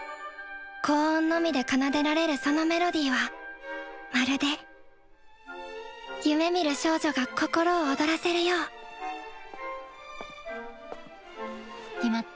高音のみで奏でられるそのメロディーはまるで夢みる少女が心を躍らせるよう決まった？